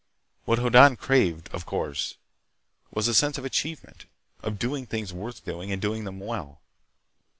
What Hoddan craved, of course, was a sense of achievement, of doing things worth doing, and doing them well.